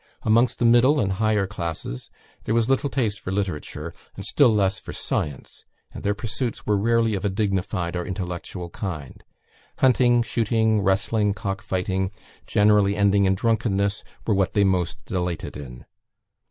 Amongst the middle and higher classes there was little taste for literature, and still less for science, and their pursuits were rarely of a dignified or intellectual kind. Hunting, shooting, wrestling, cock fighting, generally ending in drunkenness, were what they most delighted in.